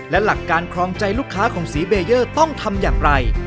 และหลักการครองใจลูกค้าของสีเบเยอร์ต้องทำอย่างไร